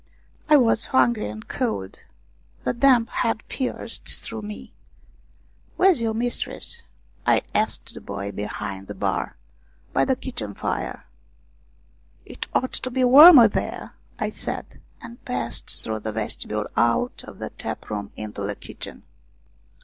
I was hungry and cold. The damp had pierced through me. " Where's your mistress ?" I asked the boy behind the bar. " By the kitchen fire." " It ought to be warmer there," I said, and passed through the vestibule, out of the tap room into the kitchen.